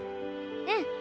うん。